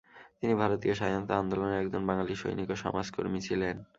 তিনি ভারতীয় স্বাধীনতা আন্দোলনের একজন বাঙালি সৈনিক ও সমাজকর্মী ছিলেন।